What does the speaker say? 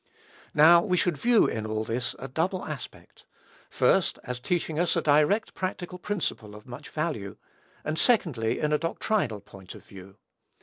Now, we should view all this in a double aspect; first, as teaching us a direct practical principle of much value; and secondly, in a doctrinal point of view.